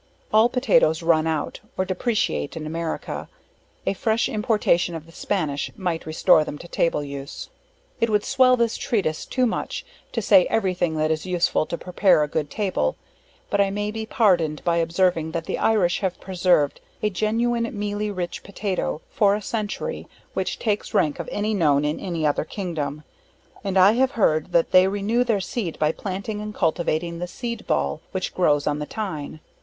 All potatoes run out, or depreciate in America; a fresh importation of the Spanish might restore them to table use. It would swell this treatise too much to say every thing that is useful, to prepare a good table, but I may be pardoned by observing, that the Irish have preserved a genuine mealy rich Potato, for a century, which takes rank of any known in any other kingdom; and I have heard that they renew their seed by planting and cultivating the Seed Ball, which grows on the tine.